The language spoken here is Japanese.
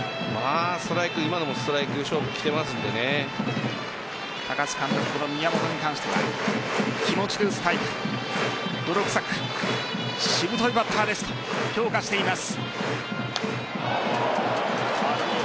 今のもストライク勝負高津監督、宮本に関しては気持ちで打つタイプ泥臭く、しぶといバッターですと評価しています。